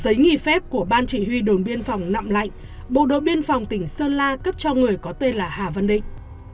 giấy nghỉ phép của ban chỉ huy đồn biên phòng nậm lạnh bộ đội biên phòng tỉnh sơn la cấp cho người có tên là hà văn định